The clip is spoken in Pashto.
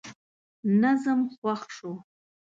نظم خوښ شو.